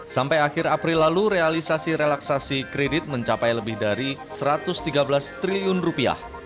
sampai akhir april lalu realisasi relaksasi kredit mencapai lebih dari satu ratus tiga belas triliun rupiah